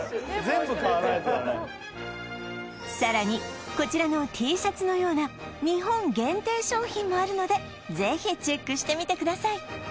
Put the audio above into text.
全部買わないとだねさらにこちらのＴシャツのような日本限定商品もあるのでぜひチェックしてみてください